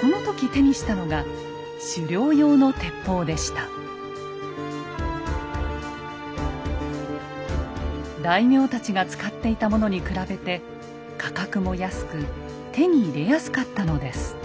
この時手にしたのが大名たちが使っていたものに比べて価格も安く手に入れやすかったのです。